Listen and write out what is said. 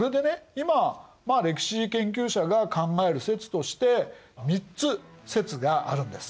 今歴史研究者が考える説として３つ説があるんです。